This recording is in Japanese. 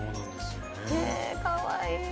えかわいい。